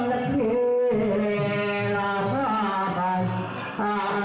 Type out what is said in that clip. เผ็ดหลากจราคา